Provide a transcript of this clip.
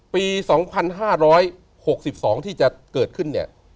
ปี๒๕๖๒ที่จะเกิดขึ้นเนี่ย